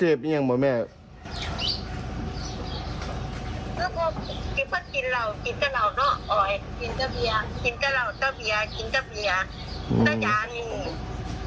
เอาไปตรวจโรงพยาบาลแล้ว